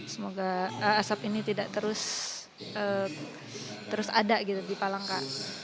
semoga asap ini tidak terus ada gitu di palangka